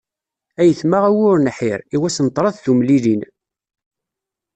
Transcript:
Ay ayetma a wi ur nḥir, i wass n ṭṭrad tumlilin.